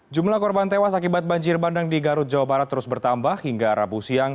jumlah korban tewas akibat banjir bandang di garut jawa barat terus bertambah hingga rabu siang